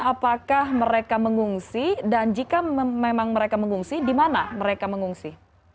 apakah mereka mengungsi dan jika memang mereka mengungsi di mana mereka mengungsi